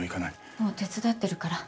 もう手伝ってるから。